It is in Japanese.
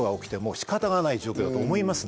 仕方がない状況だと思いますね。